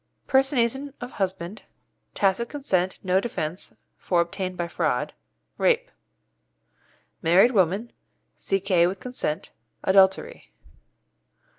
Personation of husband Rape. Tacit consent no defence, for obtained by fraud. Married woman C.K. with consent Adultery.